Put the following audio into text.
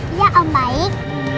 iya om baik